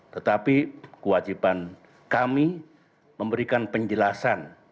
tetapi kewajiban kami memberikan penjelasan